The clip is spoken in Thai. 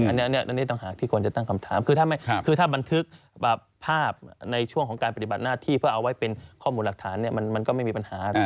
อันนี้ต่างหากที่ควรจะตั้งคำถามคือถ้าบันทึกภาพในช่วงของการปฏิบัติหน้าที่เพื่อเอาไว้เป็นข้อมูลหลักฐานมันก็ไม่มีปัญหา